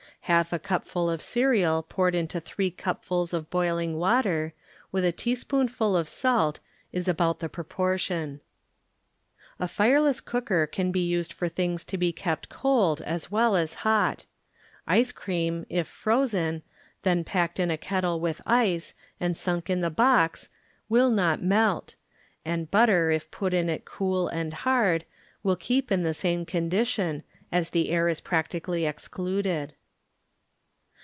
Half a cupful of cereal poured into three cupfuls of boiling water, with a teaspoonfu! of salt is about the pro portion. A fireless cooker can be used for things to be kept cold as well as hot. Ice cream, if frozen, then packed in a kettle with ice and sunk in the box will not melt, and butter if put in it cool and hard will keep in the same condition, as the air is practically excluded.